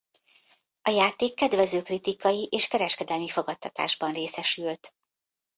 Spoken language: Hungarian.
A játék kedvező kritikai és kereskedelmi fogadtatásban részesült.